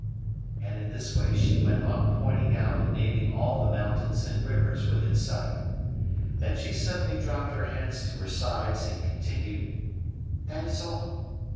And in this way she went on pointing out and naming all the mountains and rivers within sight. Then she suddenly dropped her hands to her sides and continued: "That is all.